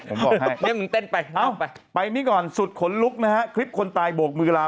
ผมบอกให้ไปนี่ก่อนสุดขนลุกนะฮะคลิปคนตายโบกมือลา